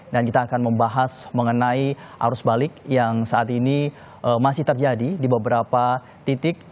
dan kita akan membahas mengenai arus balik yang saat ini masih terjadi di beberapa titik